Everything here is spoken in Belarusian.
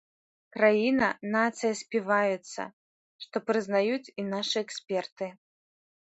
Краіна, нацыя співаецца, што прызнаюць і нашы эксперты.